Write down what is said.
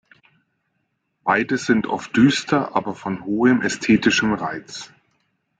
Beide sind oft düster, aber von hohem ästhetischem Reiz.